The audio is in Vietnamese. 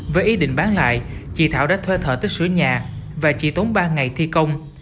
với ý định bán lại chị thảo đã thuê thợ tích sửa nhà và chỉ tốn ba ngày thi công